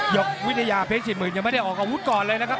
วิทยาเพชร๔๐๐๐ยังไม่ได้ออกอาวุธก่อนเลยนะครับ